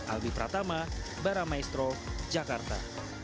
albi pratama baramaestro jakarta